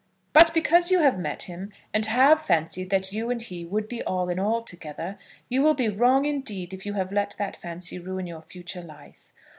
But because you have met him, and have fancied that you and he would be all in all together, you will be wrong indeed if you let that fancy ruin your future life.